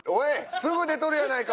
すぐ出とるやないか！